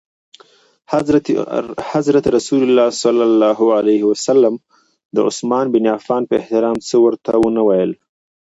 حضرت رسول ص د عثمان بن عفان په احترام څه ورته ونه ویل.